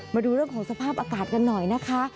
มาดูเรื่องของสภาพอากาศกันหน่อยนะคะ